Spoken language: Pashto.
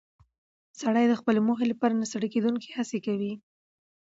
سړی د خپلې موخې لپاره نه ستړې کېدونکې هڅه کوي